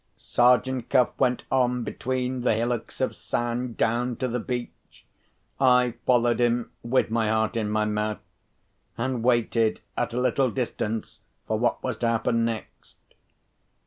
Sergeant Cuff went on between the hillocks of sand, down to the beach. I followed him (with my heart in my mouth); and waited at a little distance for what was to happen next.